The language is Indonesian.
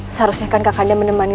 seharusnya kan kakanda menemani